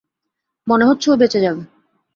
মনে হচ্ছে ও বেঁচে যাবে।